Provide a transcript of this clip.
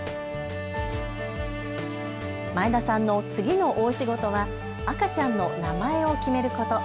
前田さんの次の大仕事は赤ちゃんの名前を決めること。